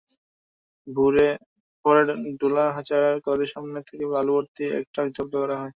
পরে ডুলাহাজারা কলেজের সামনে থেকে বালুভর্তি একটি ট্রাক জব্দ করা হয়।